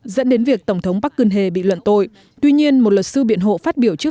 dẫn đến việc tổng thống park geun hye bị luận tội tuy nhiên một luật sư biện hộ phát biểu trước